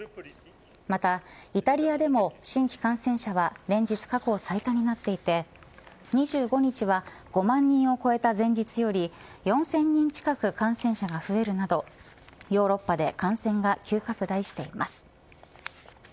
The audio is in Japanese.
また、イタリアでも新規感染者は連日過去最低になっていて２５日は５万人を超えた前日より４０００人近く感染者が増えるなどヨーロッパで感染が急拡大しています。